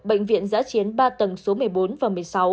bệnh viện giã chiến ba tầng số một mươi bốn và một mươi sáu